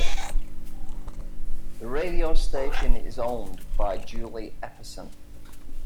The radio station is owned by Julie Epperson.